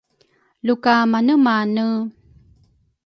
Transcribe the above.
luka manemane?